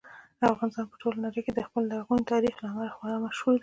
افغانستان په ټوله نړۍ کې د خپل لرغوني تاریخ له امله خورا مشهور دی.